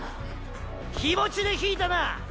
気持ちで退いたな。